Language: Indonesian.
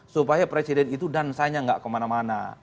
supaya presiden itu dansanya nggak kemana mana